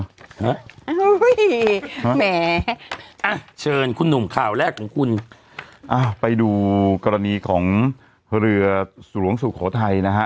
แหมอ่ะเชิญคุณหนุ่มข่าวแรกของคุณอ่าไปดูกรณีของเรือหลวงสุโขทัยนะฮะ